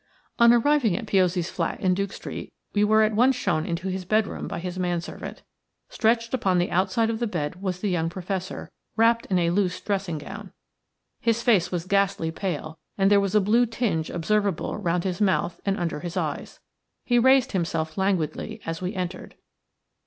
On arriving at Piozzi's flat in Duke Street we were at once shown into his bedroom by his man servant. Stretched upon the outside of the bed was the young Professor, wrapped in a loose dressing gown. His face was ghastly pale, and there was a blue tinge observable round his mouth and under his eyes. He raised himself languidly as we entered.